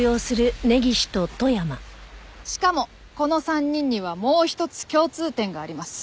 しかもこの３人にはもう一つ共通点があります。